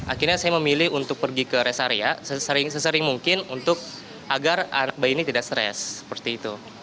akhirnya saya memilih untuk pergi ke res area sesering mungkin untuk agar anak bayi ini tidak stres seperti itu